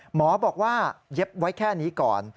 หมอบอกว่าเย็บไว้แค่นี้ก่อน